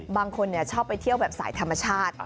บางคนชอบไปเที่ยวแบบสายธรรมชาติ